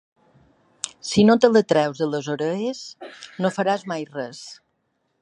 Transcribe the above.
Si no te la treus de les orelles no faràs mai res.